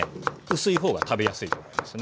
薄い方が食べやすいと思いますね。